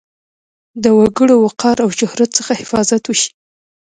د وګړو وقار او شهرت څخه حفاظت وشي.